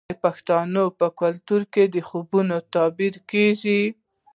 د پښتنو په کلتور کې د خوبونو تعبیر کیږي.